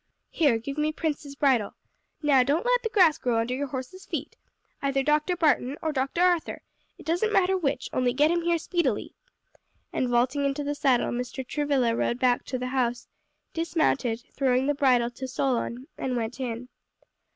Here, give me Prince's bridle. Now don't let the grass grow under your horse's feet. Either Dr. Barton, or Dr. Arthur; it doesn't matter which; only get him here speedily." And vaulting into the saddle Mr. Travilla rode back to the house, dismounted, throwing the bridle to Solon, and went in.